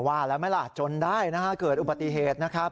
ว่าแล้วไหมล่ะจนได้นะฮะเกิดอุบัติเหตุนะครับ